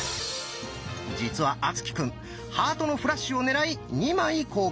実は敦貴くん「ハートのフラッシュ」を狙い２枚交換。